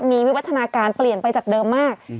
มีวิวัฒนาการเปลี่ยนไปจากเดิมมาก